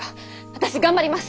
私頑張ります。